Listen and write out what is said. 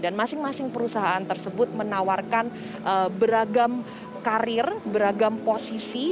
dan masing masing perusahaan tersebut menawarkan beragam karir beragam posisi